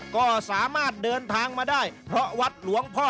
ก็สามารถเดินทางมาได้เพราะวัดหลวงพ่อ